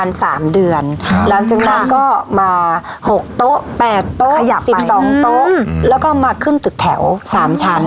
แล้วก็มาเคริ่มถึงเสนอแถว๓ชั้น